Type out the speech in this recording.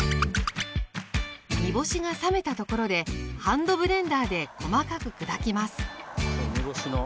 煮干しが冷めたところでハンドブレンダーで細かく砕きます。